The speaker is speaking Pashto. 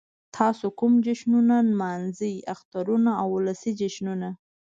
تاسو کوم جشنونه نمانځئ؟ اخترونه او ولسی جشنونه